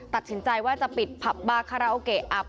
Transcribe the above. ตัดสินใจว่าจะปิดผับบาคาราโอเกะอับ